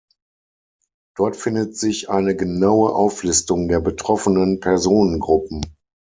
Dort findet sich eine genaue Auflistung der betroffenen Personengruppen.